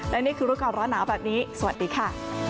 และนี่คือรู้ก่อนร้อนหนาวแบบนี้สวัสดีค่ะ